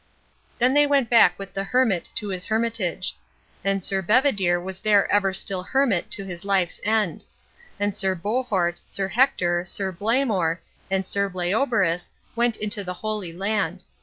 Then they went back with the hermit to his hermitage. And Sir Bedivere was there ever still hermit to his life's end. And Sir Bohort, Sir Hector, Sir Blamor, and Sir Bleoberis went into the Holy Land.